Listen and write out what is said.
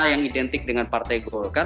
yang identik dengan partai golkar